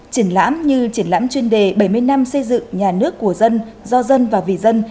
triển lãm như triển lãm chuyên đề bảy mươi năm xây dựng nhà nước của dân do dân và vì dân